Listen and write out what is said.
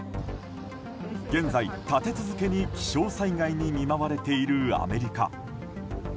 現在、立て続けに気象災害に見舞われているアメリカ。